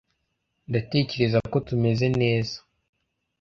ndatekereza ko tumeze neza